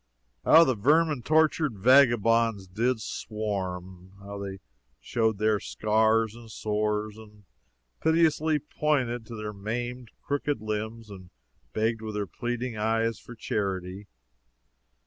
How the vermin tortured vagabonds did swarm! How they showed their scars and sores, and piteously pointed to their maimed and crooked limbs, and begged with their pleading eyes for charity!